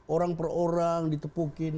orang per orang ditepukin